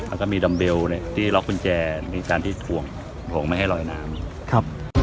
แล้วก็มีดำเบลที่ล็อกกุญแจในการที่ถวงไม่ให้ลอยน้ำ